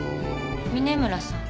峰村さん。